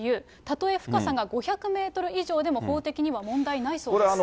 たとえ深さが５００メートル以上でも、法的には問題ないそうです。